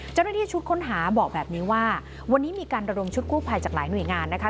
เจ้าหน้าที่ชุดค้นหาบอกแบบนี้ว่าวันนี้มีการระดมชุดกู้ภัยจากหลายหน่วยงานนะคะ